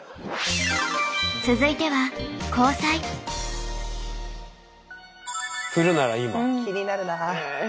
続いては気になるなあ。